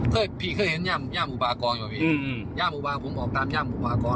เคยพี่เคยเห็นย่าย่าหมู่บากรอยู่อ่ะพี่อืมย่าหมู่บากรผมออกตามย่าหมู่บากร